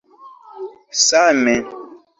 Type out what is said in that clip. Same.